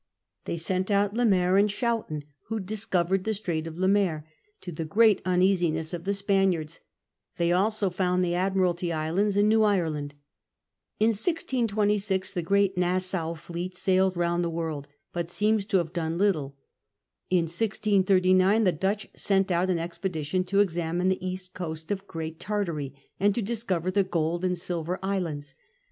They sent out Le Maire and Schouten, who dis covered the Strait of Le Maire, to the great uneasiness of the Spaniards ; they also found the Admiralty Islands and New Ireland. In 1626 the groat Nassau fleet sailed round the world, but seems to have done little. In 1639 the Dutch sent out an expedition to examine the east coast of Great Tartary and to discover the Gold and Silver Islands.